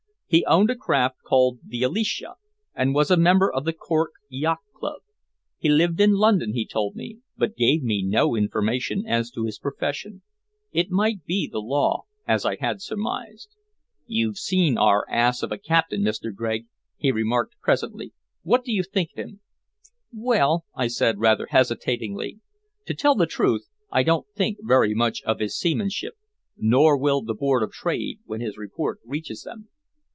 He owned a craft called the Alicia, and was a member of the Cork Yacht Club. He lived in London, he told me, but gave me no information as to his profession. It might be the law, as I had surmised. "You've seen our ass of a captain, Mr. Gregg?" he remarked presently. "What do you think of him?" "Well," I said rather hesitatingly, "to tell the truth, I don't think very much of his seamanship nor will the Board of Trade when his report reaches them."